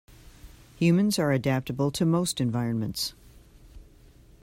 Humans are adaptable to most environments.